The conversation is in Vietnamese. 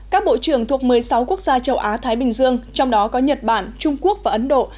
các bộ trưởng thuộc một mươi sáu quốc gia châu á thái bình dương trong đó có nhật bản trung quốc và ấn độ